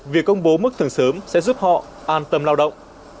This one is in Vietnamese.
việc công bố mức thưởng sớm sẽ giúp họ an tâm lao động